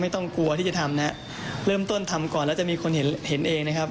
ต้องกลัวที่จะทำนะฮะเริ่มต้นทำก่อนแล้วจะมีคนเห็นเห็นเองนะครับ